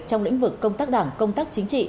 trong lĩnh vực công tác đảng công tác chính trị